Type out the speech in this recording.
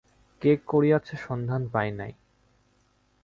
কে করিয়াছে সন্ধান পাই নাই।